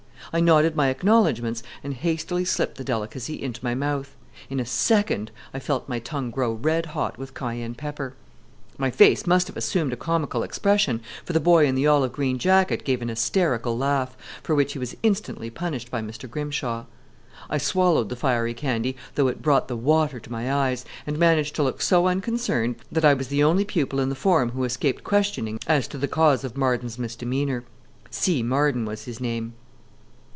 I nodded my acknowledgments and hastily slipped the delicacy into my mouth. In a second I felt my tongue grow red hot with cayenne pepper. My face must have assumed a comical expression, for the boy in the olive green jacket gave an hysterical laugh, for which he was instantly punished by Mr. Grimshaw. I swallowed the fiery candy, though it brought the water to my eyes, and managed to look so unconcerned that I was the only pupil in the form who escaped questioning as to the cause of Marden's misdemeanor. C. Marden was his name.